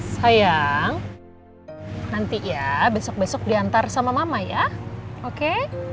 sayang nanti ya besok besok diantar sama mama ya oke